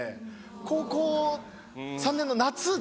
高校３年の夏で。